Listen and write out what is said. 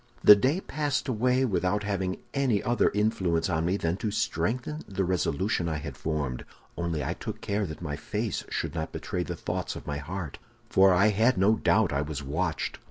"The day passed away without having any other influence on me than to strengthen the resolution I had formed; only I took care that my face should not betray the thoughts of my heart, for I had no doubt I was watched.